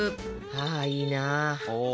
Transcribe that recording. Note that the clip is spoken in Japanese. ああいいなあ。